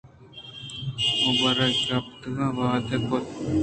ءُ بر ءِ کپگ ءِ ودار ئِے کُت۔